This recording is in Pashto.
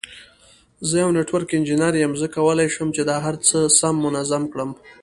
زه یو نټورک انجینیر یم، زه کولای شم چې دا هر څه سم منظم کړم.